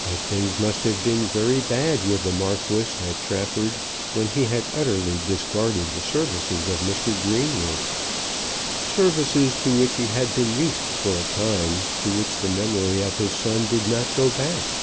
But things must have been very bad with the Marquis at Trafford when he had utterly discarded the services of Mr. Greenwood, services to which he had been used for a time to which the memory of his son did not go back.